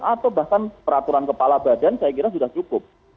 atau bahkan peraturan kepala badan saya kira sudah cukup